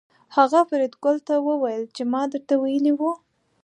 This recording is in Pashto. هغه فریدګل ته وویل چې ما درته ویلي وو